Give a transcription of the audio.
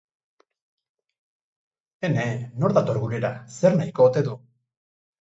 Ene! Nor dator gurera? Zer nahiko ote du?